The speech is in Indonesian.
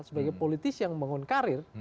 sebagai politisi yang membangun karir